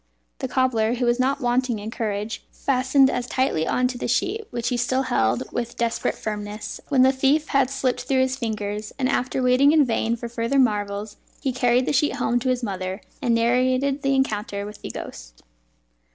The cobbler (who was not wanting in courage) fastened as tightly on to the sheet, which he still held with desperate firmness when the thief had slipped through his fingers; and after waiting in vain for further marvels, he carried the sheet home to his mother, and narrated his encounter with the ghost.